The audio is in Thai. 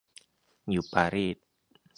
อยู่ปารีส